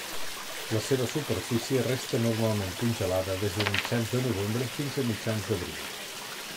La seva superfície resta normalment congelada des de mitjans de novembre fins a mitjans d'abril.